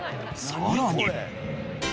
さらに。